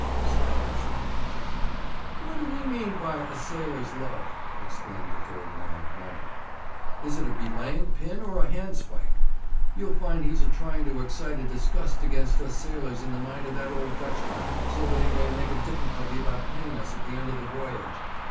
"' Silence followed. 'What do he mean by "a sailor's love"?' exclaimed the third man, Maul. 'Is it a belaying pin or a handspike? You'll find he's a trying to excite a disgust against us sailors in the mind of that old Dutchman, so that he may make a difficulty about paying us at the end of the voyage.'